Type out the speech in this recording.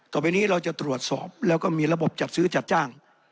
ต่อไปนี้เราจะตรวจสอบแล้วก็มีระบบจัดซื้อจัดจ้าง